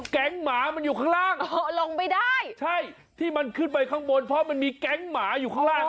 หมามันอยู่ข้างล่างลงไม่ได้ใช่ที่มันขึ้นไปข้างบนเพราะมันมีแก๊งหมาอยู่ข้างล่าง